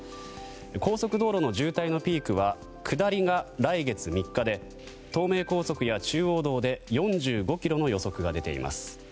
高速道路の渋滞のピークは下りが来月３日で東名高速や中央道で４５ｋｍの予測が出ています。